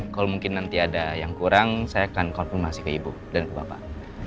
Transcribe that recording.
kalau mungkin nanti ada yang kurang saya akan konfirmasi ke ibu dan ke bapak